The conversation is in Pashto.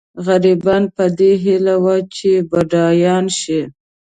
غریبان په دې هیله وي چې بډایان شي.